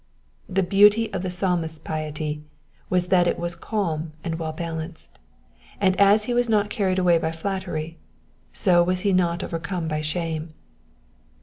The beauty of the Psalmist's piety was that it was calm and well balanced, and as . he was not carried away by flattery, so was he not overcome by shame.